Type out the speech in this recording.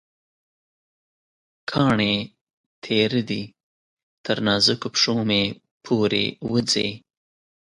کاڼې تېره دي، تر نازکو پښومې پورې وځي